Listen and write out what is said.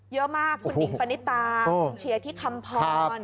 เยอะมากคุณหิงปณิตาคุณเชียร์ที่คำพร